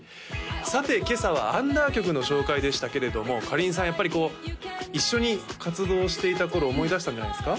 さて今朝はアンダー曲の紹介でしたけれどもかりんさんやっぱりこう一緒に活動していた頃を思い出したんじゃないですか？